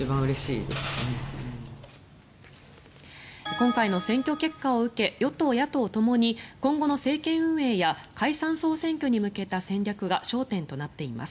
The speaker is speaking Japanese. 今回の選挙結果を受け与党、野党ともに今後の政権運営や解散・総選挙に向けた戦略が焦点となっています。